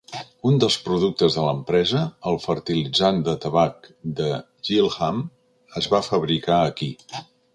Un dels productes de l'empresa, el fertilitzant de tabac de Gilham, es va fabricar aquí.